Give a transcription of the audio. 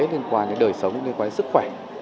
liên quan đến đời sống liên quan đến sức khỏe